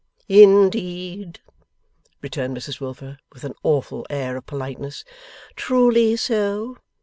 'Indeed?' returned Mrs Wilfer, with an awful air of politeness. 'Truly so?